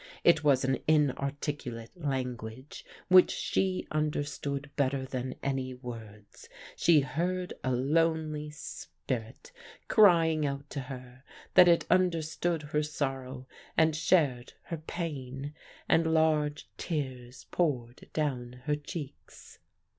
It was an inarticulate language which she understood better than any words. She heard a lonely spirit crying out to her, that it understood her sorrow and shared her pain. And large tears poured down her cheeks.